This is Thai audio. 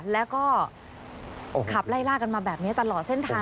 แล้วก็ขับไล่ล่ากันมาแบบนี้ตลอดเส้นทาง